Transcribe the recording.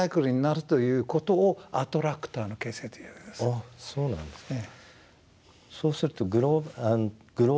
ああそうなんですね。